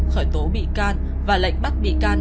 khởi tố bị can và lệnh bắt bị can